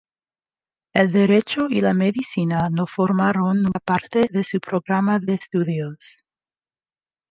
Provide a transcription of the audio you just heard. El derecho y la medicina no formaron nunca parte de su programa de estudios.